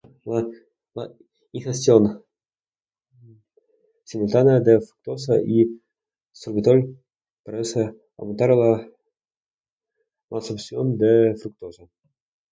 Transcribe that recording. La ingestión simultánea de fructosa y sorbitol parece aumentar la malabsorción de fructosa.